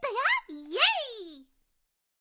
イエイ！